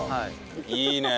いいねえ